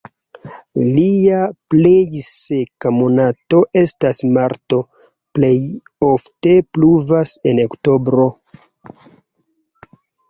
Lia plej seka monato estas marto, plej ofte pluvas en oktobro.